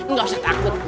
nggak usah takut